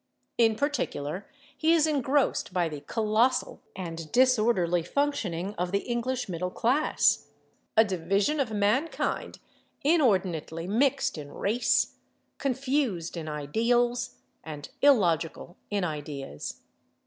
In particular, he is engrossed by the colossal and disorderly functioning of the English middle class—a division of mankind inordinately mixed in race, confused in ideals and illogical in ideas.